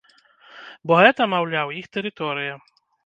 Бо гэта, маўляў, іх тэрыторыя.